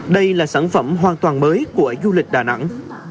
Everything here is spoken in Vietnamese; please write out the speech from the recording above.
đây là sản phẩm hoàn toàn mới của du lịch đà nẵng